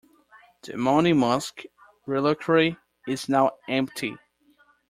The Monymusk Reliquary is now empty.